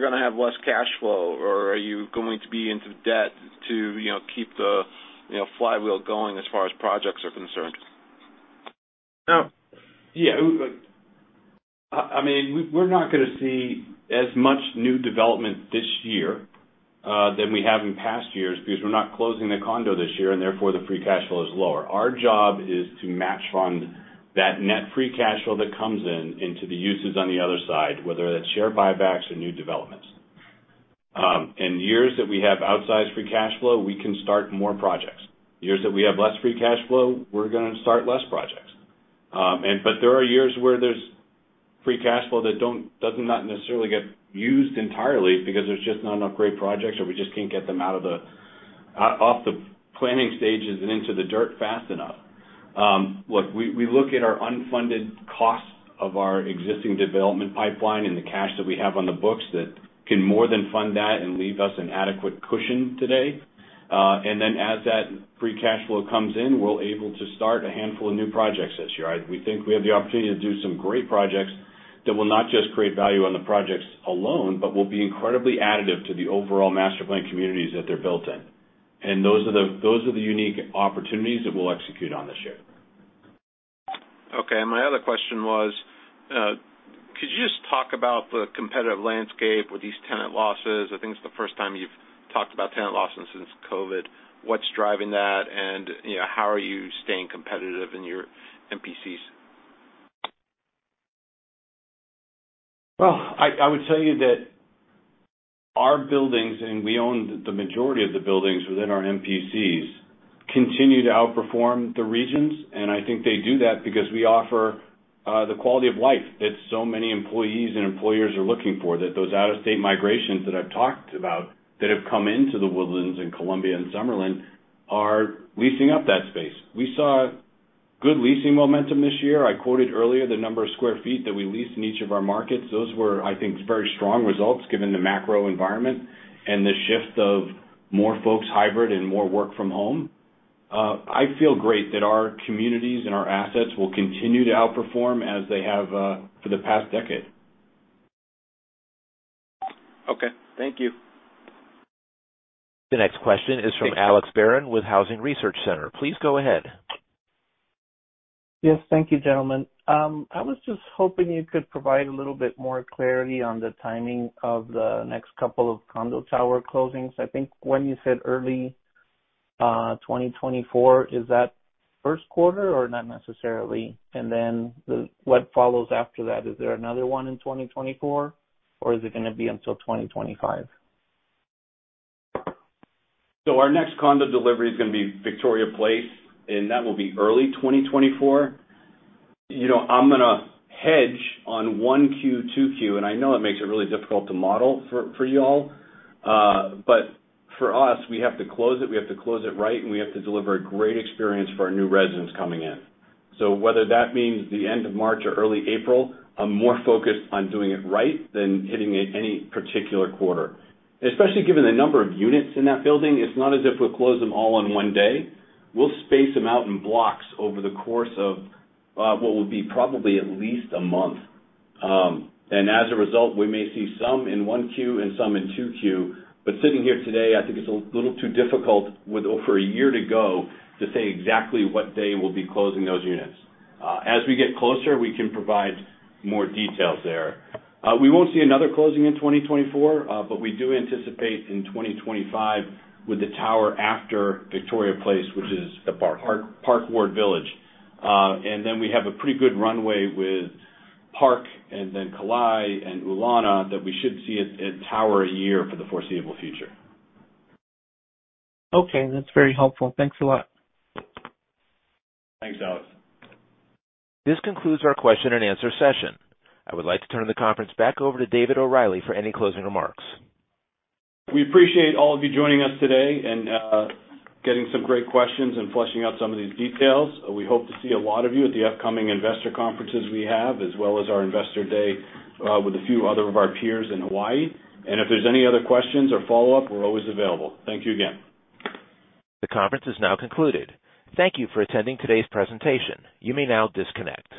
gonna have less cash flow, or are you going to be into debt to, you know, keep the, you know, flywheel going as far as projects are concerned? Yeah. I mean, we're not gonna see as much new development this year than we have in past years because we're not closing the condo this year, and therefore, the free cash flow is lower. Our job is to match fund that net free cash flow that comes in into the uses on the other side, whether that's share buybacks or new developments. In years that we have outsized free cash flow, we can start more projects. Years that we have less free cash flow, we're gonna start less projects. But there are years where there's free cash flow that doesn't not necessarily get used entirely because there's just not enough great projects, or we just can't get them out of the... off the planning stages and into the dirt fast enough. Look, we look at our unfunded costs of our existing development pipeline and the cash that we have on the books that can more than fund that and leave us an adequate cushion today. As that free cash flow comes in, we're able to start a handful of new projects this year. We think we have the opportunity to do some great projects that will not just create value on the projects alone, but will be incredibly additive to the overall master plan communities that they're built in. Those are the unique opportunities that we'll execute on this year. Okay. My other question was, could you just talk about the competitive landscape with these tenant losses? I think it's the first time you've talked about tenant losses since COVID. What's driving that? You know, how are you staying competitive in your MPCs? I would tell you that our buildings, and we own the majority of the buildings within our MPCs, continue to outperform the regions, and I think they do that because we offer the quality of life that so many employees and employers are looking for. Those out-of-state migrations that I've talked about that have come into The Woodlands and Columbia and Summerlin are leasing up that space. We saw good leasing momentum this year. I quoted earlier the number of square feet that we leased in each of our markets. Those were, I think, very strong results given the macro environment and the shift of more folks hybrid and more work from home. I feel great that our communities and our assets will continue to outperform as they have for the past decade. Okay, thank you. The next question is from Alex Barron with Housing Research Center. Please go ahead. Yes. Thank you, gentlemen. I was just hoping you could provide a little bit more clarity on the timing of the next couple of condo tower closings. I think when you said early, 2024, is that first quarter or not necessarily? What follows after that? Is there another one in 2024, or is it gonna be until 2025? Our next condo delivery is gonna be Victoria Place, and that will be early 2024. You know, I'm gonna hedge on 1Q, 2Q, and I know it makes it really difficult to model for you all. For us, we have to close it, we have to close it right, and we have to deliver a great experience for our new residents coming in. Whether that means the end of March or early April, I'm more focused on doing it right than hitting any particular quarter. Especially given the number of units in that building, it's not as if we'll close them all on one day. We'll space them out in blocks over the course of what will be probably at least a month. As a result, we may see some in 1Q and some in 2Q. Sitting here today, I think it's a little too difficult with over one year to go to say exactly what day we'll be closing those units. As we get closer, we can provide more details there. We won't see another closing in 2024, but we do anticipate in 2025 with the tower after Victoria Place, which is the Park Ward Village. Then we have a pretty good runway with Park and then Kalae and Ulana that we should see 1 tower a year for the foreseeable future. Okay. That's very helpful. Thanks a lot. Thanks, Alex. This concludes our question and answer session. I would like to turn the conference back over to David O'Reilly for any closing remarks. We appreciate all of you joining us today and getting some great questions and fleshing out some of these details. We hope to see a lot of you at the upcoming investor conferences we have, as well as our investor day, with a few other of our peers in Hawaii. If there's any other questions or follow-up, we're always available. Thank you again. The conference is now concluded. Thank you for attending today's presentation. You may now disconnect.